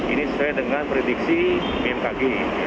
ini sesuai dengan prediksi bmkg